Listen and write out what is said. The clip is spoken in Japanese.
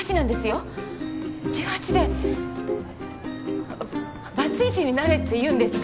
１８でバツイチになれって言うんですか？